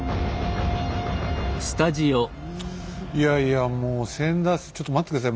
いやいやもう千田ちょっと待って下さい